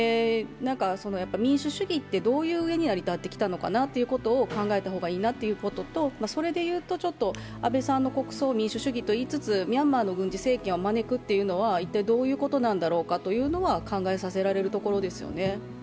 民主主義ってどういう上に成り立ってきたのかを考えた方がいいなというのとそれでいうと、安倍さんの国葬、民主主義と言いつつ、ミャンマーの軍事政権は招くっていうのは一体どういうことなんだろうかというのは考えさせられるところですね。